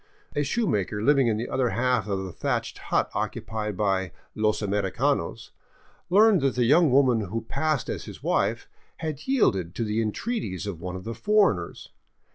A shoemaker living in the other half of the thatched hut occupied by " los americanos " learned that the young woman who passed as his wife had yielded to the entreaties of one of the foreigners.